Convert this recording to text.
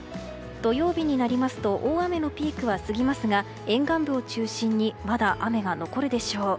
土曜日になりますと大雨のピークは過ぎますが沿岸部を中心にまだ雨は残るでしょう。